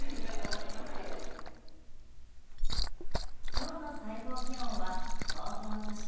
今日の最高気温は東京都心